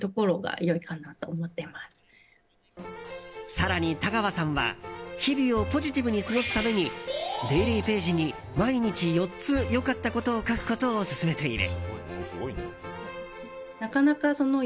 更に田河さんは日々をポジティブに過ごすためにデイリーページに毎日４つ良かったことを書くことを勧めている。